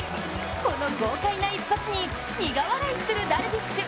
この豪快な一発に苦笑いするダルビッシュ。